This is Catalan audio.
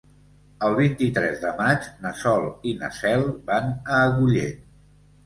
El vint-i-tres de maig na Sol i na Cel van a Agullent.